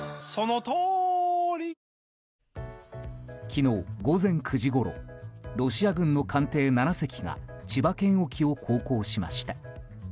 昨日午前９時ごろロシア軍の艦艇７隻が千葉県沖を航行しました。